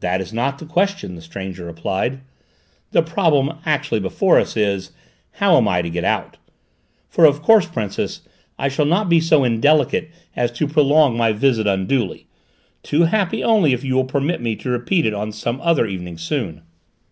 "That is not the question," the stranger replied. "The problem actually before us is, how am I to get out? For, of course, Princess, I shall not be so indelicate as to prolong my visit unduly, too happy only if you will permit me to repeat it on some other evening soon."